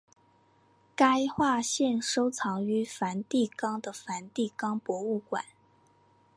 该画现收藏于梵蒂冈的梵蒂冈博物馆。